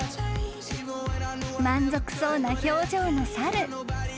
［満足そうな表情の猿］